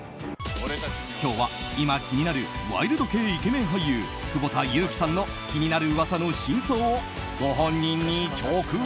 今日は今、気になるワイルド系イケメン俳優久保田悠来さんの気になる噂の真相をご本人に直撃。